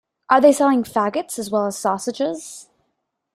Are they selling faggots as well as sausages?